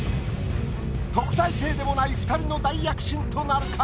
特待生でもない２人の大躍進となるか？